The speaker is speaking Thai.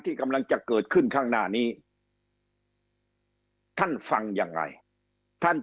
ที่กำลังจะเกิดขึ้นข้างหน้านี้ท่านฟังยังไงท่าน